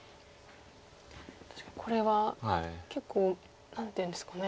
確かにこれは結構何ていうんですかね。